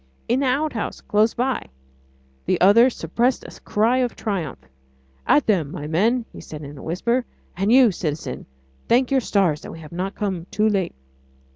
"In the outhouse close by." The other suppressed a cry of triumph. "At them, my men!" he said in a whisper, "and you, citizen, thank your stars that we have not come too late."